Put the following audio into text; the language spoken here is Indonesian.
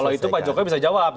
kalau itu pak jokowi bisa jawab